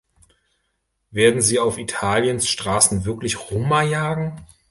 Werden sie auf Italiens Straßen wirklich Roma jagen?